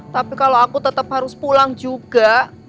tapi kalau aku tetap harus pulang juga